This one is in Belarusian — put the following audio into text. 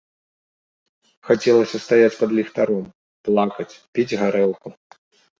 Хацелася стаяць пад ліхтаром, плакаць, піць гарэлку.